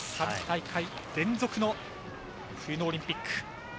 ３大会連続の冬のオリンピック。